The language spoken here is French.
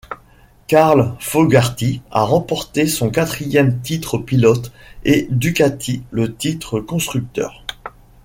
Carl Fogarty a remporté son quatrième titre pilote et Ducati le titre constructeur.